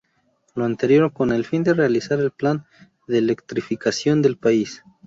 Lo anterior con el fin de realizar el Plan de Electrificación del País.